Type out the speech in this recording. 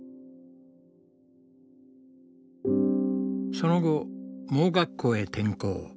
その後盲学校へ転校。